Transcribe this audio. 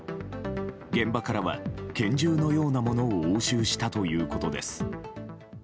現場からは、拳銃のようなものを押収したということです。